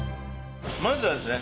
まずはですね